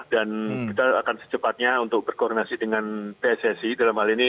dan kita akan secepatnya untuk berkoordinasi dengan pssi dalam hal ini